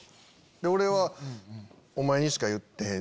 俺はお前にしか言ってへん。